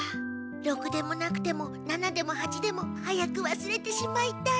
ロクでもなくてもナナでもハチでも早くわすれてしまいたい。